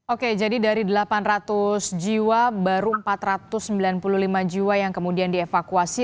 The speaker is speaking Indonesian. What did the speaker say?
oke jadi dari delapan ratus jiwa baru empat ratus sembilan puluh lima jiwa yang kemudian dievakuasi